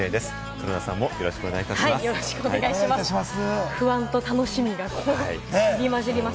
黒田さんもよろしくお願いいたします。